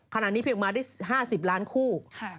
ขณะนี้พิมพ์มาได้๕๐ล้านคู่